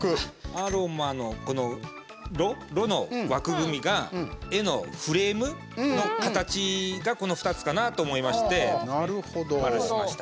アロマの、この「ロ」「ロ」の枠組みが絵のフレームの形がこの２つかなと思いまして丸しました。